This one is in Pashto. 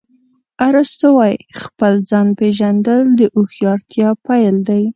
ارسطو وایي خپل ځان پېژندل د هوښیارتیا پیل دی.